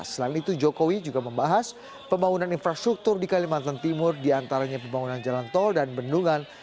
selain itu jokowi juga membahas pembangunan infrastruktur di kalimantan timur diantaranya pembangunan jalan tol dan bendungan